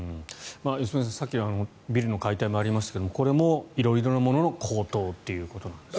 良純さん、さっきもビルの解体もありましたがこれも色々なものの高騰ということなんですね。